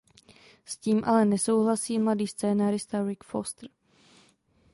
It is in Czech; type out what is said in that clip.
S tím ale nesouhlasí mladý scenárista Rick Foster.